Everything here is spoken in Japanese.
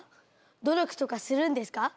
努力とかするんですか？